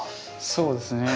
そうですね。